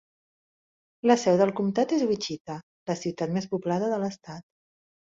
La seu del comtat és Wichita, la ciutat més poblada de l'estat.